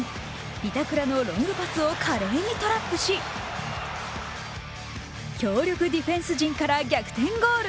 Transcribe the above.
板倉のロングパスを華麗にトラップし強力ディフェンス陣から逆転ゴール。